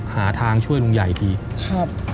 หาทางช่วยลุงใหญ่ทีครับ